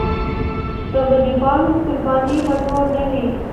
د غریبانو قرباني به نور نه وي.